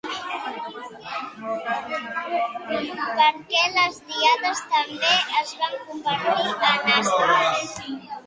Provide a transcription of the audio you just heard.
Per què les Híades també es van convertir en astres?